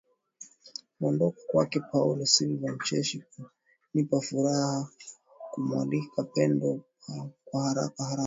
kuondoka kwake paulo silva mcheshi kunanipa furusa kumwalika pendo po kwa haraka haraka